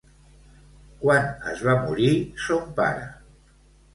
Quan es va morir son pare?